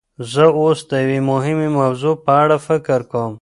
زه اوس د یوې مهمې موضوع په اړه فکر کوم.